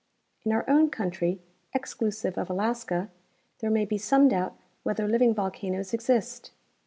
In our own country, exclusive of Alaska, there may be some doubt whether living volcanoes exist.